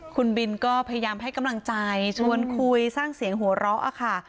คุณบินก็พยายามให้กำลังใจชวนคุยสร้างเสียงหัวเราะค่ะ